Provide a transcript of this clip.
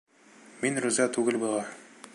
Мин риза түгел быға!